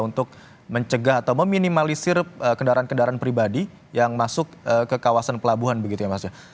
untuk mencegah atau meminimalisir kendaraan kendaraan pribadi yang masuk ke kawasan pelabuhan begitu ya mas ya